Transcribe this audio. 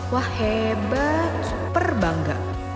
wah hebat super bangga